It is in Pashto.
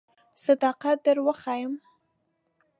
صداقت در وښیم.